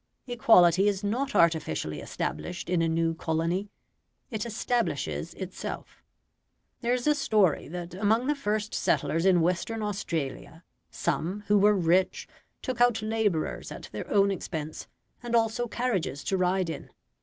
Equality is not artificially established in a new colony; it establishes itself. There is a story that among the first settlers in Western Australia, some, who were rich, took out labourers at their own expense, and also carriages to ride in.